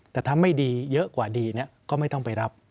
แต่ถ้าไม่ดีเยอะกว่าดีก็ไม่ต้องไปรับ